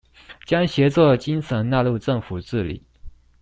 將協作精神納入政府治理